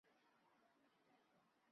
生母不详。